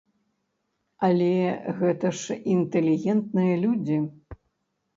Але гэта ж інтэлігентныя людзі.